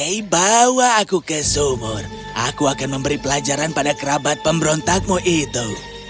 hei bawa aku ke sumur aku akan memberi pelajaran pada kerabat pemberontakmu itu